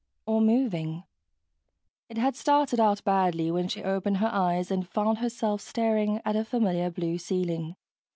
Or moving. It had started out badly when she opened her eyes and found herself staring at a familiar blue ceiling.